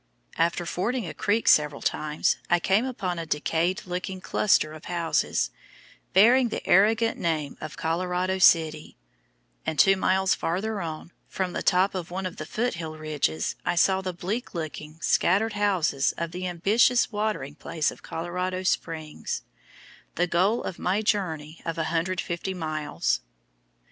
After fording a creek several times, I came upon a decayed looking cluster of houses bearing the arrogant name of Colorado City, and two miles farther on, from the top of one of the Foot Hill ridges, I saw the bleak looking scattered houses of the ambitious watering place of Colorado Springs, the goal of my journey of 150 miles.